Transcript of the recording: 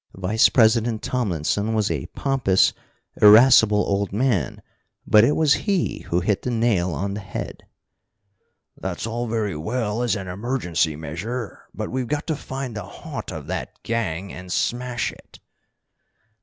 Vice president Tomlinson was a pompous, irascible old man, but it was he who hit the nail on the head. "That's all very well as an emergency measure, but we've got to find the haunt of that gang and smash it!"